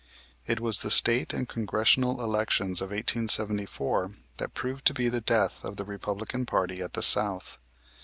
It was the State and Congressional elections of 1874 that proved to be the death of the Republican party at the South.